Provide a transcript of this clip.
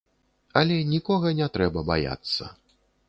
Але нікога не трэба баяцца.